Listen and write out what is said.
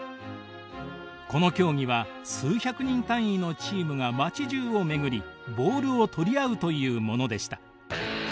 この競技は数百人単位のチームが街じゅうを巡りボールを取り合うというものでした。